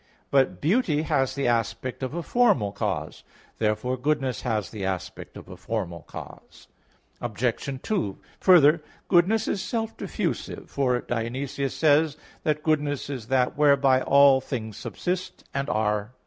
But beauty has the aspect of a formal cause. Therefore goodness has the aspect of a formal cause. Obj. 2: Further, goodness is self diffusive; for Dionysius says (Div. Nom. iv) that goodness is that whereby all things subsist, and are.